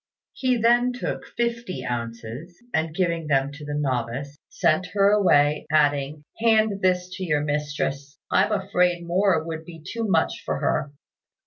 He then took fifty ounces, and giving them to the novice, sent her away, adding, "Hand this to your mistress, I'm afraid more would be too much for her."